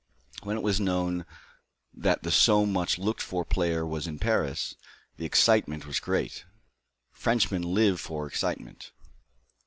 When it was known that the so much looked for player was in Paris, the excitement was great; Frenchmen live for excitement.